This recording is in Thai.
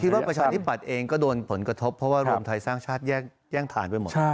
ว่าประชาธิปัตย์เองก็โดนผลกระทบเพราะว่ารวมไทยสร้างชาติแย่งฐานไปหมด